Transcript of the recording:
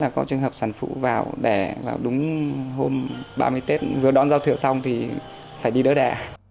có trường hợp sản phụ vào đẻ vào đúng hôm ba mươi tết vừa đón giao thừa xong thì phải đi đỡ đẻ